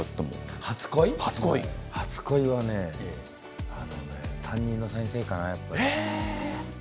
初恋はね担任の先生だなやっぱり。